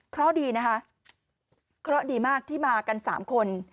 เพราะดีนะคะเคราะห์ดีมากที่มากัน๓คน